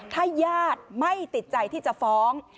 ถ้าญาติไม่ติดใจที่จะฟ้อง